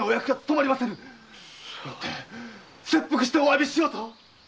よって切腹してお詫びしようと。